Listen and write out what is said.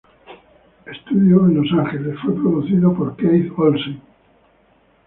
Studios en Los Ángeles, fue producido por Keith Olsen.